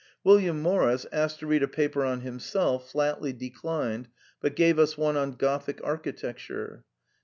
William Morris, asked to read a paper on him self, flatly declined, but gave us one on Gothic Architecture.